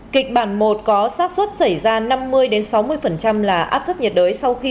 kịch bản một có sát xuất xảy ra năm mươi sáu mươi là áp thấp nhiệt đới